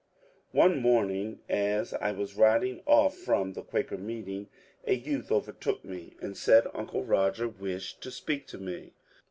^ One morning as I was riding off from the Quaker meeting, a youth overtook me and said uncle Roger wished to speak to me.